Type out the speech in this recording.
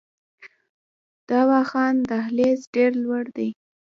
د واخان دهلیز ډیر لوړ دی